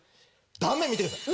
断面見てください。